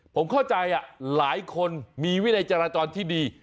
ผมเข้าใจหลายคนมีวินัยจราจรที่ดี